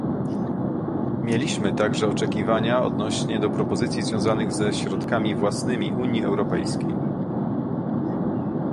Mieliśmy także oczekiwania odnośnie do propozycji związanych ze środkami własnymi Unii Europejskiej